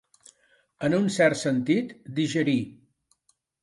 En un cert sentit, digerí.